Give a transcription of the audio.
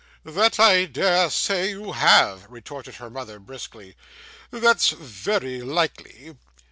'That I dare say you have,' retorted her mother, briskly. 'That's very likely.